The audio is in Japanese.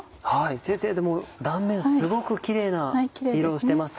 先生でも断面すごくキレイな色をしてます。